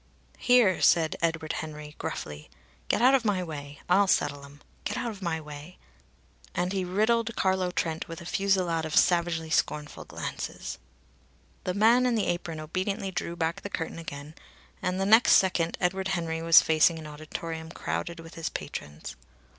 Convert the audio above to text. "Here!" said Edward Henry gruffly. "Get out of my way! I'll settle 'em. Get out of my way!" And he riddled Carlo Trent with a fusillade of savagely scornful glances. The man in the apron obediently drew back the curtain again, and the next second Edward Henry was facing an auditorium crowded with his patrons.